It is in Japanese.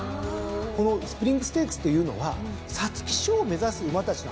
このスプリングステークスというのは皐月賞を目指す馬たちの集まりですからね。